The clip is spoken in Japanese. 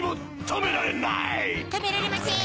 止められません！